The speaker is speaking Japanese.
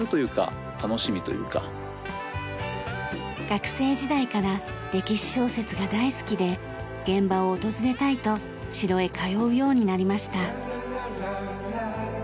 学生時代から歴史小説が大好きで現場を訪れたいと城へ通うようになりました。